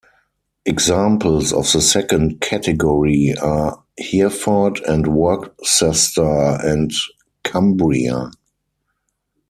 Examples of the second category are Hereford and Worcester and Cumbria.